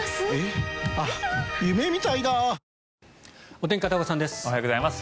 お天気、片岡さんです。